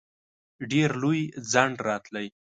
ډېر لوی ځنډ راتلی.